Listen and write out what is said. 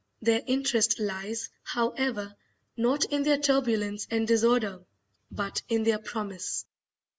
Their interest lies, however, not in their turbulence and disorder, but in their promise.